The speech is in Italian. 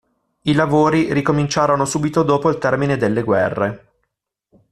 I lavori ricominciarono subito dopo il termine delle guerre.